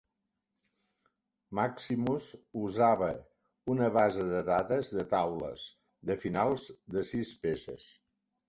Maximus usava una base de dades de taules de finals de sis peces.